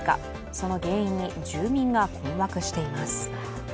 その原因に住民が困惑しています。